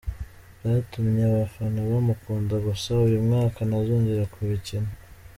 Byatumye abafana bamukunda gusa uyu mwaka ntazongera kuyikina.